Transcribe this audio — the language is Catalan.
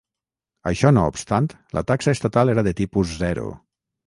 Això no obstant, la taxa estatal era de tipus zero.